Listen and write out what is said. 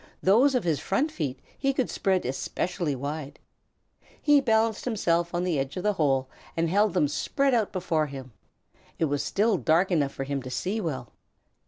Those of his front feet he could spread especially wide. He balanced himself on the edge of the hole and held them spread out before him. It was still dark enough for him to see well.